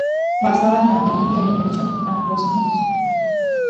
Basada en la ley india y el derecho anglosajón.